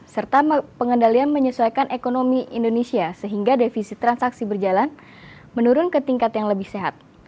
serta pengendalian menyesuaikan ekonomi indonesia sehingga defisit transaksi berjalan menurun ke tingkat yang lebih sehat